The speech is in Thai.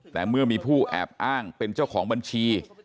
แต่เมื่อมีผู้แอบอ้างเป็นเจ้าของบัญชี